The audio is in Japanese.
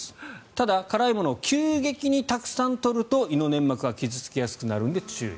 ただ、辛いものを急激にたくさん取ると胃の粘膜が傷付きやすくなるので注意。